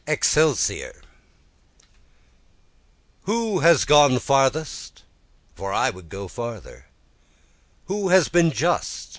Excelsior Who has gone farthest? for I would go farther, And who has been just?